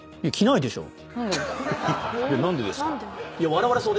何でですか？